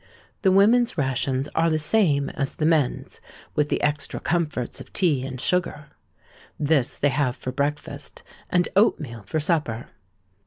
The women's rations are the same as the men's, with the extra comforts of tea and sugar. This they have for breakfast, and oatmeal for supper.